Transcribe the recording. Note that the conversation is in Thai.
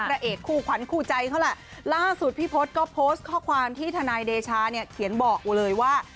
พระเอกคู่ขวัญคู่ใจเขาแหละล่าสุดพี่พศก็โพสต์ข้อความที่ทนายเดชาเนี่ยเขียนบอกกูเลยว่า